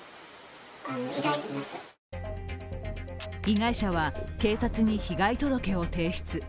被害者は警察に被害届を提出。